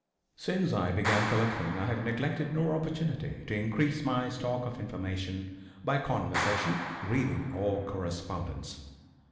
Since I began collecting I have neglected no opportunity to increase my stock of information by conversation, reading or correspondence.